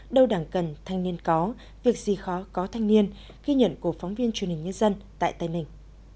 đâu đảng cần thanh niên có việc gì khó có thanh niên ghi nhận của phóng viên truyền hình nhân dân tại tây ninh